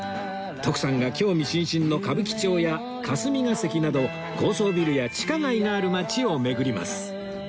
徳さんが興味津々の歌舞伎町や霞が関など高層ビルや地下街がある街を巡ります